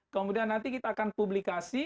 kemudian nanti kita akan publikasi